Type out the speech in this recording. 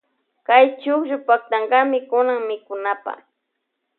Kay chukllu paktankami kunan mikunapa.